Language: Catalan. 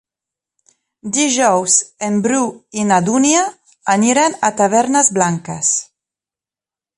Dijous en Bru i na Dúnia aniran a Tavernes Blanques.